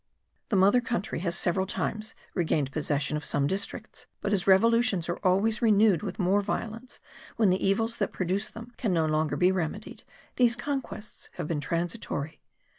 The mother country has several times regained possession of some districts; but as revolutions are always renewed with more violence when the evils that produce them can no longer be remedied these conquests have been transitory.